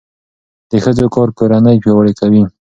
د ښځو کار کورنۍ پیاوړې کوي.